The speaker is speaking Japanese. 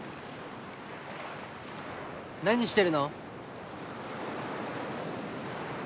何してるの？